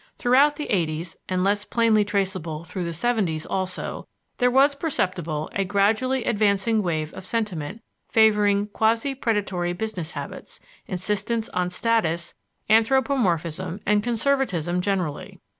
Throughout the eighties, and less plainly traceable through the seventies also, there was perceptible a gradually advancing wave of sentiment favoring quasi predatory business habits, insistence on status, anthropomorphism, and conservatism generally.